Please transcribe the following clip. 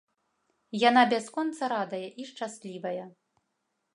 Яна бясконца радая і шчаслівая.